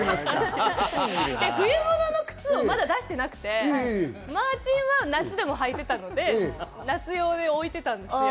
まだ冬物の靴を出していなくて、マーチンは夏でも履いていたので、夏用で置いていたんですよ。